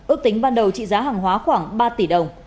ước tính ban đầu trị giá hàng hóa khoảng ba tỷ đồng